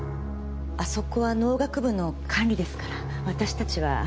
あそこは農学部の管理ですから私たちは。